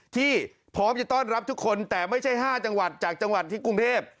ที่พร้อมจะต้อนรับทุกคนแต่ไม่ใช่๕จังหวัดจากจังหวัดที่กรุงเทพ